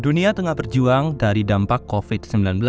dunia tengah berjuang dari dampak covid sembilan belas